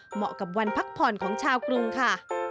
เหมาะกับวันพักผ่อนของชาวกรุงค่ะ